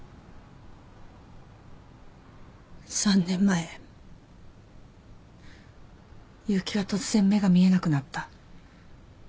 ３年前結城は突然目が見えなくなった。